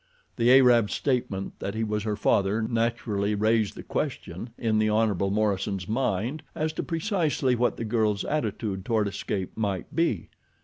The Arab's statement that he was her father naturally raised the question in the Hon. Morison's mind as to precisely what the girl's attitude toward escape might be.